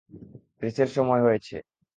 রেসের সময় হয়েছে।